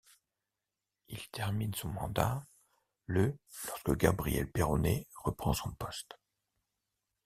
Il termine son mandat le lorsque Gabriel Péronnet reprend son poste.